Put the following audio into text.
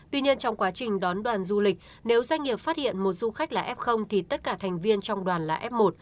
tuy nhiên trong quá trình đón đoàn du lịch nếu doanh nghiệp phát hiện một du khách là f thì tất cả thành viên trong đoàn là f một